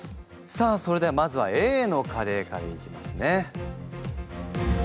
さあそれではまずはＡのカレーからいきますね。